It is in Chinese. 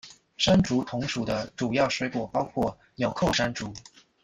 山竹同属的主要水果包括钮扣山竹。